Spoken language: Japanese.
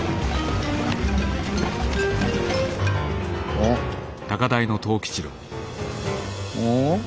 おっお？